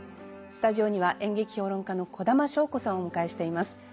スタジオには演劇評論家の小玉祥子さんをお迎えしています。